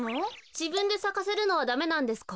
じぶんでさかせるのはダメなんですか？